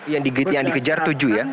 yang dikejar tujuh ya